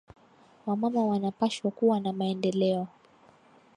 Wa mama wana pashwa kuwa na maendeleo